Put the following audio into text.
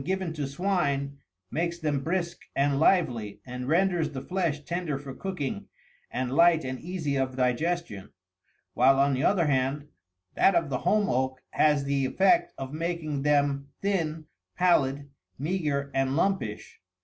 The acorn of the beech, when given to swine,60 makes them brisk and lively, and renders the flesh tender for cooking, and light and easy of digestion ; while, on the other hand, that of the holm oak has the effect of making them thin, pallid, meagre, and lumpish.